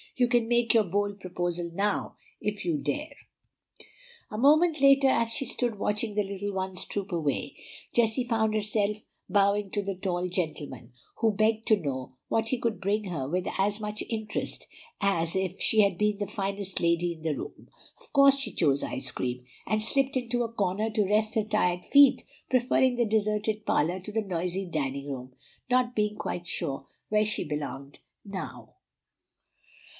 You can make your bold proposal now, if you dare." A moment later, as she stood watching the little ones troop away, Jessie found herself bowing to the tall gentleman, who begged to know what he could bring her with as much interest as if she had been the finest lady in the room. Of course she chose ice cream, and slipped into a corner to rest her tired feet, preferring the deserted parlor to the noisy dining room, not being quite sure where she belonged now.